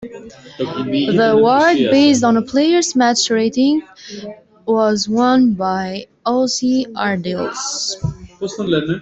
The award, based on a player's match rating, was won by Ossie Ardiles.